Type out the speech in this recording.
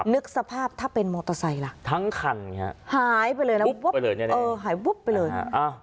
นึกสภาพถ้าเป็นมอเตอร์ไซค์หายไปเลยบุ๊บอยู่ในนั้น